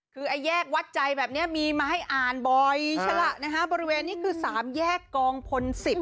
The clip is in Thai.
คือแยกวัดใจแบบเนี้ยมีมาให้อ่านบ่อยใช่ล่ะนะฮะบริเวณนี้คือสามแยกกองพลสิบ